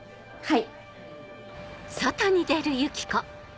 はい。